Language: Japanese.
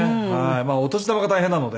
まあお年玉が大変なので。